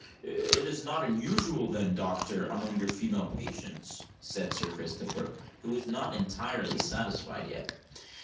"It is not unusual, then, doctor, amongst your female patients?" said Sir Christopher, who was not entirely satisfied yet.